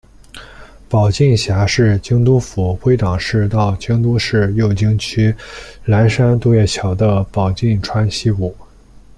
保津峡是京都府龟冈市到京都市右京区岚山渡月桥的保津川溪谷。